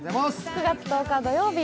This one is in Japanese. ９月１０日土曜日